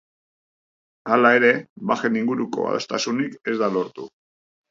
Hala ere, bajen inguruko adostasunik ez da lortu.